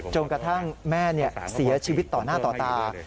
กระทั่งแม่เสียชีวิตต่อหน้าต่อตา